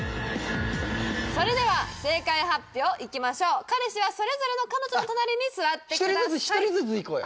それでは正解発表いきましょう彼氏はそれぞれの彼女の隣に座ってください１人ずつ１人ずついこうよ